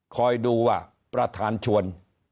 คอยดูว่าประธานชวน